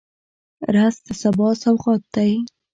رس د سبا سوغات دی